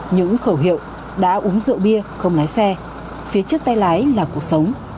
những khẩu hiệu đã uống rượu bia không lái xe phía trước tay lái là cuộc sống